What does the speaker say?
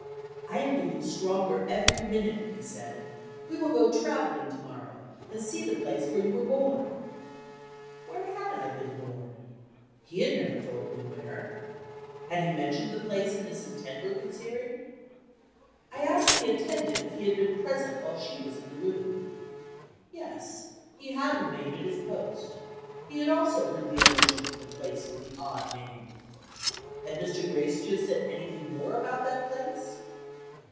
"I am getting stronger every minute," he said. "We will go traveling to morrow, and see the place where you were born." Where had I been born? He had never told me where. Had he mentioned the place in Mrs. Tenbruggen's hearing? I asked the attendant if he had been present while she was in the room. Yes; he had remained at his post; he had also heard the allusion to the place with the odd name. Had Mr. Gracedieu said anything more about that place?